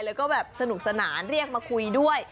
แล้วก็แบบสนุกสนานเรียกมาคุยด้วย